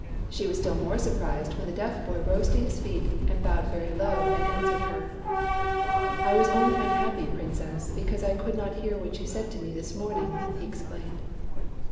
She was still more surprised when the deaf boy rose to his feet and bowed very low and answered her. " I was only unhappy, Princess, because I could not hear what you said to me this morn ing," he explained.